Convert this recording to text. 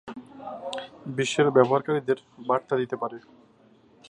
ব্যবহারকারীরা সরাসরি তাদের অঞ্চল বা সারা বিশ্বের ব্যবহারকারীদের বার্তা দিতে পারে।